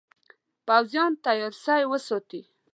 پوځیان تیار سی وساتي.